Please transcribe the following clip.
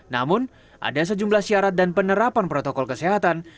namun ada sejumlah syarat dan penerapan protokol kesehatan